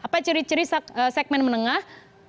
apa ciri ciri segmen menengah